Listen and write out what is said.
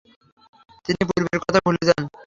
তিনি পূর্বের কথা ভুলে যান।